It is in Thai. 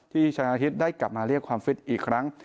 ชนะอาทิตย์ได้กลับมาเรียกความฟิตอีกครั้ง